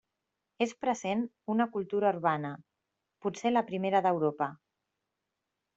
És present una cultura urbana, potser la primera d'Europa.